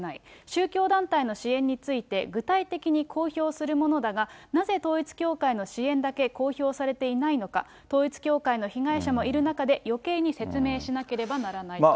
宗教団体の支援について、具体的に公表するものだが、なぜ統一教会の支援だけ公表されていないのか、統一教会の被害者もいる中で、よけいに説明しなければならないと。